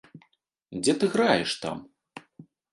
Дзе ты граеш там?